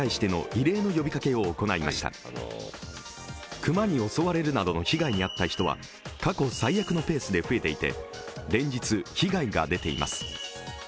熊に襲われるなどの被害に遭った人は過去最悪のペースで増えていて連日、被害が出ています。